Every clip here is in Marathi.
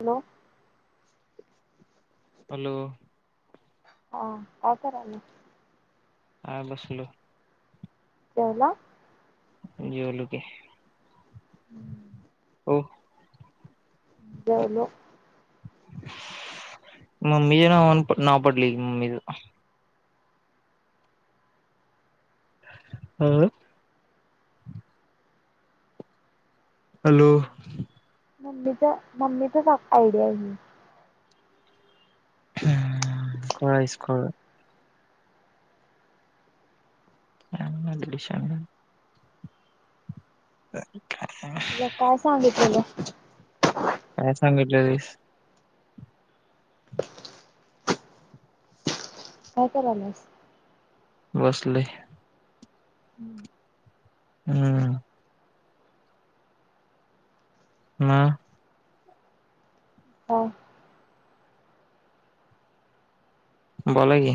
हॅलो! हॅलो! हा काय करालाय? आ बसलो. जेवला? जेवलो की. [inaudible] हो. जेवलो. मम्मी च्या नावान प नाव पडलय मम्मीच. हम्म? हॅलो! मम्मीचा मम्मीचाच आयडि हाय हे. हम्मम खुळ हाईस खुळ आम्ही म्हटल शान तर का [unintelligible] तुला काय सांगितलेलं? काय सांगितलंलेस? काय करालास? बसलोय. हम्म. हम्म. हम्म. काय? बोला की.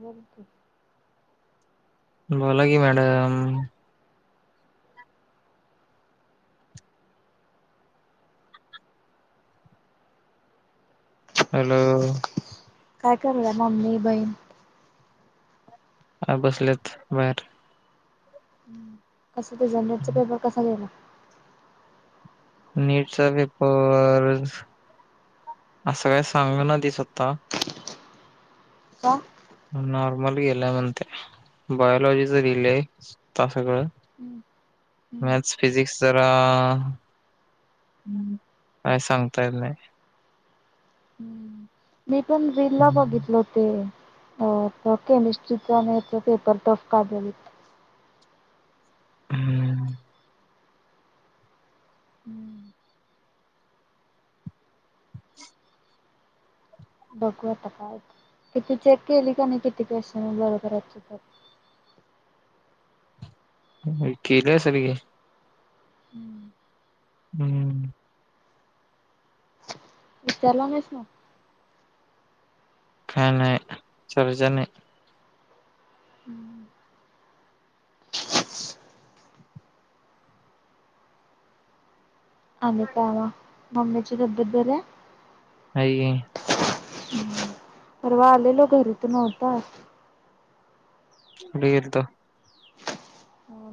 बोल की. बोला की, मॅडम. हॅलो? काय कराल्या, मम्मी, बहीण? ह बसल्यात बाहेर. कस ते, ज नेटचा पेपर, कसा गेला? नीटचा पेपर, असं काय सांग न, ती स्वता. का? नॉर्मल गेल्याय म्हणते, बायोलॉजीचं लिहिलेय ता सगळं. मॅथ्स, फिजिक्स जरा काय सांगता येल नही. ह्, मी पण रिल ला बघितल त. ते अ केमिस्ट्रीचा, नेटचा पेपर टफ काढले. हम्म. हम्म. बघू आता, काय होत, किती चेक केली का नही, किती क्वेशन बरोबर येत, चुक य? नहीं, केलेया सगळी. हम्म. हम्म. विचारला नाहीस ना? काय नाही, चर्चा नाही. आणि आणि कावा [unintelligible] मम्मीची तब्येत बरी हाय? नाही. परवा आलेलो घरी, तू नव्हता. बीर त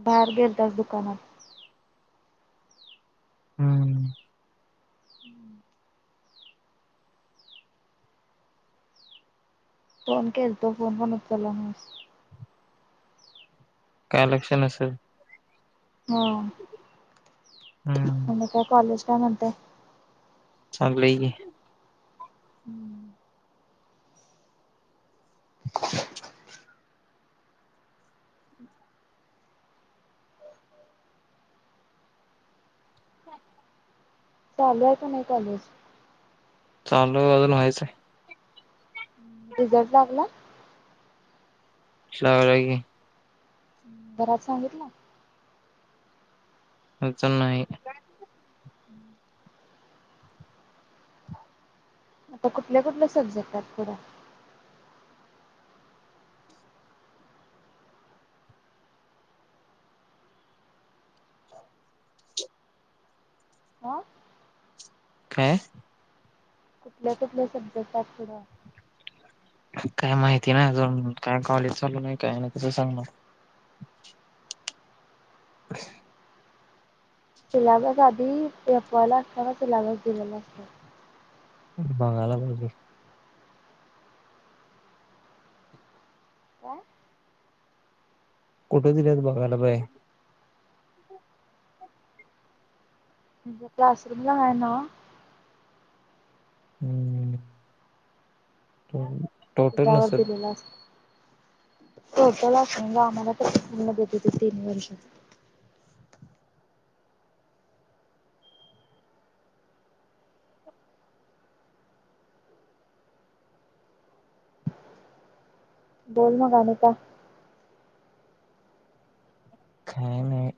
बाहेर गेलतास, दुकानात. हम्म. फोन केल तो, फोन पण ऊचला नाहीस. काय लक्ष नसल. हां, हम्म मंग आता कॉलेज काय म्हनत? चांगलंय की. ह [unintelligible] चालूय हाय का, नही चालू? चालू य, अजून व्हायचंय. रिझल्ट लागला? श्रावण हाय की, घरात सांगितला? आजून नाही. आता कुठल्या कुठल्या सब्जेक्ट आहेत पुढ? हा काय? कुठल्या कुठल सब्जेक्ट [unintelligible] फुढं काय माहिती नाही आजून, काय कॉलेज चालू नाही काय नाही कसं सांगणार. [inaudible] सिलॅबस आधी एफ. वाय ला असताना सिलॅबस दिलेला आसतोय. बघायला पाहिजे. काय? कुठ दिल्यात बघायला [unintelligible] म्हणजे क्लासरूमला हाय नव्हं? हम्म [unintelligible] टोटल त्याच्यावर नसल दिलेला असतो. टोटल [unintelligible] म्हणजे आम्हाला तर पूर्ण देत होतीत तीन वर्ष. बोल मग आणि का? काय नाही.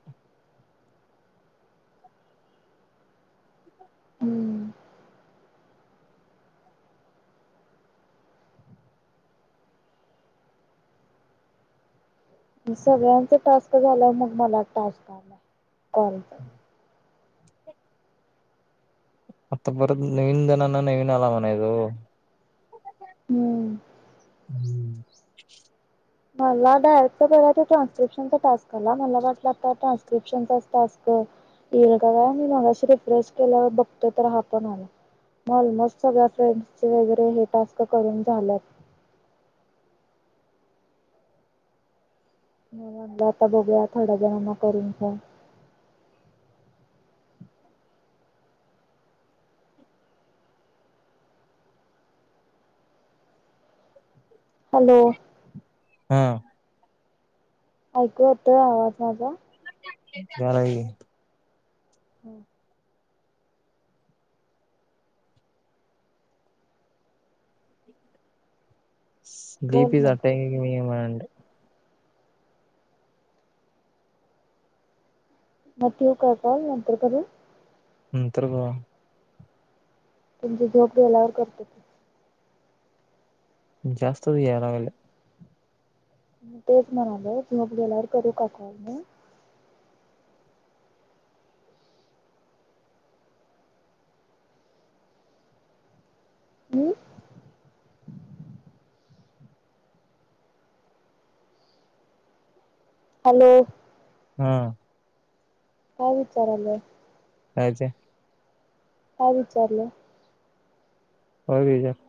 हम्म सगळ्यांच टास्क झालाव मग मला टास्क आलाय कॉल आता परत नवीन जनांना नवीन आला म्हणायचा म. हम्म हू मला डायरेक्ट परवाचा ट्रान्स्क्रिप्शनचा टास्क आला मला वाटल आता ता ट्रान्स्क्रिप्शनचाच टास्क येईल का काय? मी मगाशी रिफ्रेश केलावर बघतोय तर हा पण आला. म अलमोस्ट सगळ्या फ्रेंड्स चे वैगेरे हे टास्क करून झाल्यात, म्हणून म्हणलं आता बघूया थोड्या जणांना करून फोम हॅलो! हा. ऐकू येतोय आवाज माझा? या लागलाय की. हू बोल मग. [unintelligible] म ठेवू का कॉल नंतर करू? नंतर कव्हा? तुमची झोक गेल्यावर करतो की. जास्तच याय लागल्या. मी तेच म्हणालोय झोप गेल्यावर करू का कॉल म? हू हॅलो! हा. काय विचारालोय? काय च्या काय विचारलं? [unintelligible]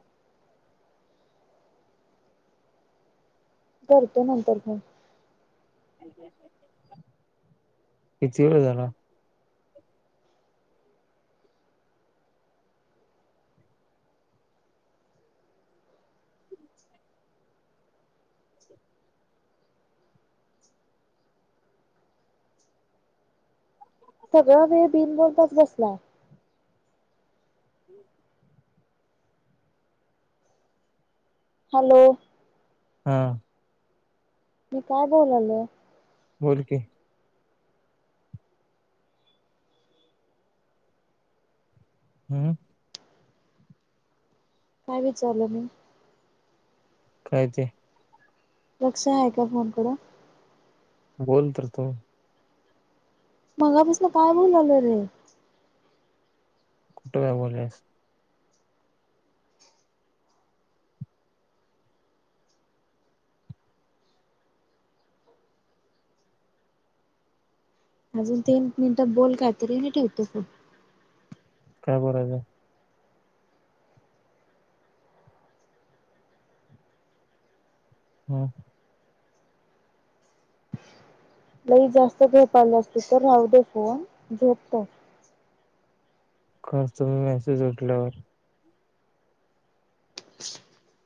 करतो नंतर फोन. किती वेळ झाला? सगळा वेळ बिनबोलताच बसलाय. हॅलो! हा. तु काय बोलल्या? बोल की. हम्म. काय विचारलं मी? काय ते? लक्ष आहे का फोन कड? बोल तर तू. मगापसून काय बोलाल्या रे? कुठे काय बोलीस. अजून तीन मिनिटात बोल काय तरी मी ठेवतो फोन. काय बोलायचं? हम्म. लई जास्त झोप आला असत तर राहु दे फोन झोपतो. करतो मी मैसेज उठल्यावर. [inaudible]